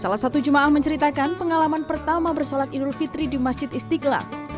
salah satu jemaah menceritakan pengalaman pertama bersolat idul fitri di masjid istiqlal